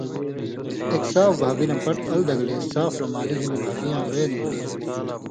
ایک صاف بھابی نہ پٹ ال دگلے صاف رُومالی ہِن بھابی یاں وے نھېلے